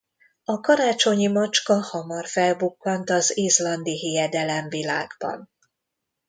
A karácsonyi macska hamar felbukkant az izlandi hiedelemvilágban.